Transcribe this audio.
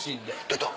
「出た！」。